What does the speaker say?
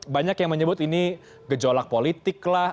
banyak yang menyebut ini gejolak politik lah